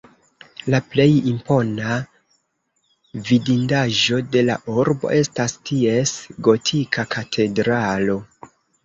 La plej impona vidindaĵo de la urbo estas ties gotika katedralo.